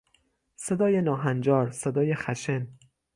صدای ناهنجار، صدای خشن